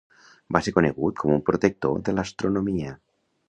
Va ser conegut com un protector de l'astronomia.